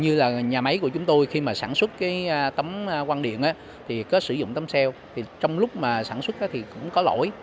như là nhà máy của chúng tôi khi mà sáng suất cái tấm quăng điện thì có sử dụng tấm cell trong lúc mà sáng suất thì cũng có lỗi